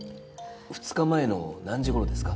２日前の何時頃ですか？